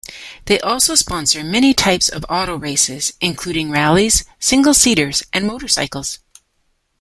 They also sponsor many types of auto races including rallies, single-seaters, and motorcycles.